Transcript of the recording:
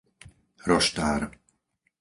Roštár